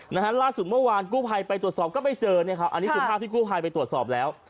นะฮะล่าสุดเมื่อวานกู้ภัยไปตรวจสอบก็ไม่เจอเนี่ยครับอันนี้คือภาพที่กู้ภัยไปตรวจสอบแล้ว